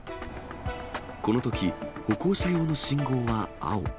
このとき、歩行者用の信号は青。